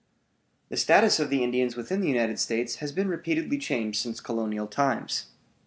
The status of the Indians within the United States has been repeatedly changed since colonial times.